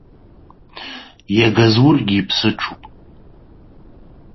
Иага зургьы иԥсыҽуп.